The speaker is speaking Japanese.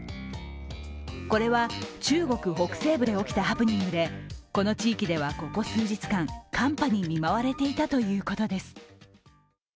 これは中国北西部で起きたハプニングでこの地域ではここ数日間、寒波に見舞われていたということです。